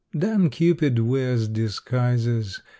Dan Cupid wears disguises.